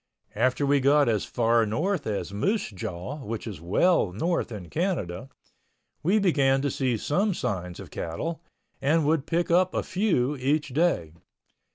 After we got as far north as Moose Jaw, which is well north in Canada, we began to see some signs of cattle, and would pick up a few each day.